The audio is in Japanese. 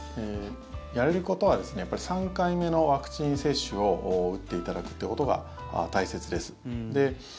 やれることはやっぱり３回目のワクチン接種を打っていただくということが大切です。